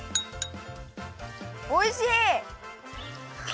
おいしい！